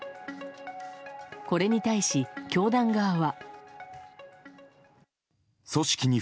これに対し、教団側は。